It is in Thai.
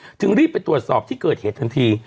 จึงรีบไปตรวจสอบที่เกิดเหตุทันที